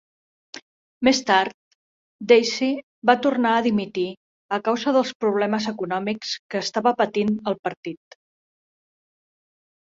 Més tard, Deasy va tornar a dimitir a causa dels problemes econòmics que estava patint el partit.